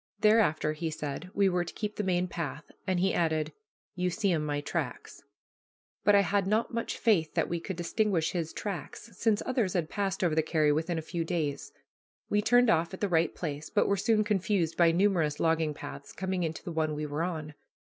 Thereafter, he said, we were to keep the main path, and he added, "You see 'em my tracks." But I had not much faith that we could distinguish his tracks, since others had passed over the carry within a few days. We turned off at the right place, but were soon confused by numerous logging paths coming into the one we were on.